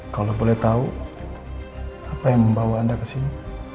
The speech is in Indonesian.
kalau boleh tahu apa yang membawa anda ke sini